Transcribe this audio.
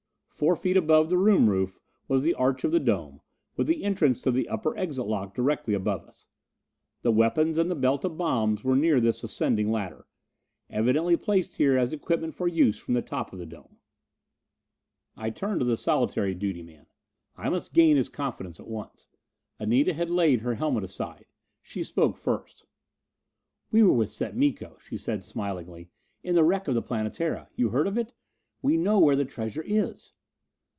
Four feet above the room roof was the arch of the dome, with the entrance to the upper exit lock directly above us. The weapons and the belt of bombs were near this ascending ladder, evidently placed here as equipment for use from the top of the dome. I turned to the solitary duty man. I must gain his confidence at once. Anita had laid her helmet aside. She spoke first. "We were with Set Miko," she said smilingly, "in the wreck of the Planetara. You heard of it? We know where the treasure is."